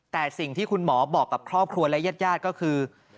แต่สิ่งที่คุณหมอบอกกับครอบครัวและญาติก็คือ